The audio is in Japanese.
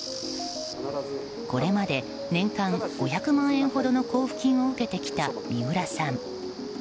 これまで年間５００万円ほどの交付金を受けてきた三浦さん。